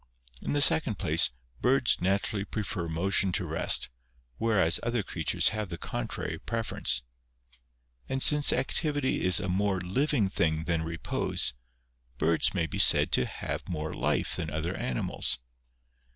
In the second place, birds naturally prefer motion to rest, whereas other creatures have the contrary preference. And since activity is a more living thing than repose, birds may be said to have more life than other animals.